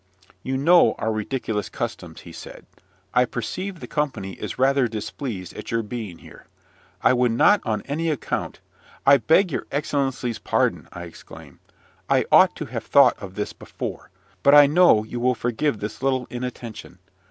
"You know our ridiculous customs," he said. "I perceive the company is rather displeased at your being here. I would not on any account " "I beg your excellency's pardon!" I exclaimed. "I ought to have thought of this before, but I know you will forgive this little inattention.